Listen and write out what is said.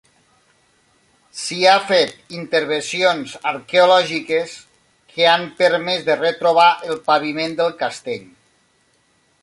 S'hi ha fet intervencions arqueològiques, que han permès de retrobar el paviment del castell.